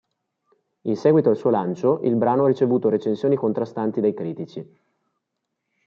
In seguito al suo lancio, il brano ha ricevuto recensioni contrastanti dai critici.